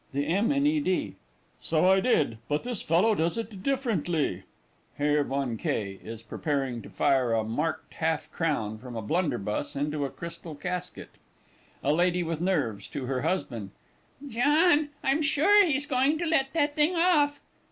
THE M. IN E. D. So I did but this fellow does it differently. [HERR VON K. is preparing to fire a marked half crown from a blunderbuss into a crystal casket. A LADY WITH NERVES (to her husband). John, I'm sure he's going to let that thing off!